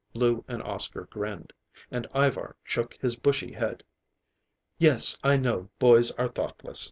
Lou and Oscar grinned, and Ivar shook his bushy head. "Yes, I know boys are thoughtless.